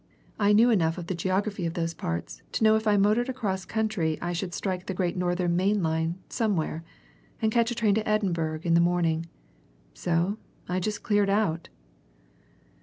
I knew enough of the geography of those parts to know if I motored across country I should strike the Great Northern main line somewhere and catch a train to Edinburgh in the early morning. So I just cleared out."